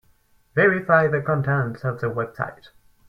Verify the contents of the website.